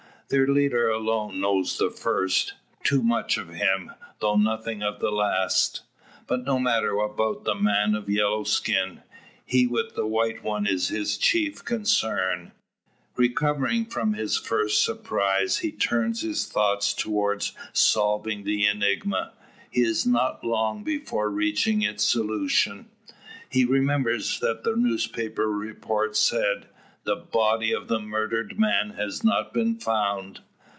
Their leader alone knows the first, too much of him, though nothing of the last. But no matter about the man of yellow skin. He with the white one is his chief concern. Recovering from his first surprise, he turns his thoughts towards solving the enigma. He is not long before reaching its solution. He remembers that the newspaper report said: "the body of the murdered man has not been found."